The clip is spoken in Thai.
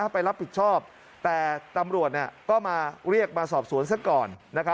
ไปรับผิดชอบแต่ตำรวจก็มาเรียกมาสอบสวนซะก่อน